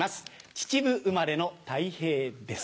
秩父生まれのたい平です。